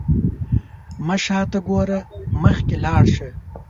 مه شاته ګوره، مخکې لاړ شه.